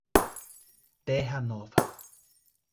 Terra Nova